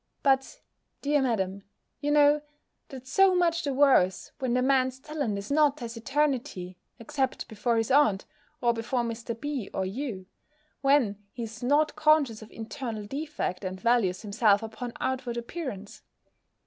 But, dear Madam, you know, that's so much the worse, when the man's talent is not taciturnity, except before his aunt, or before Mr. B. or you; when he is not conscious of internal defect, and values himself upon outward appearance.